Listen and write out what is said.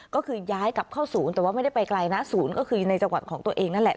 ก็คือย้ายกลับเข้าศูนย์แต่ว่าไม่ได้ไปไกลนะศูนย์ก็คือในจังหวัดของตัวเองนั่นแหละ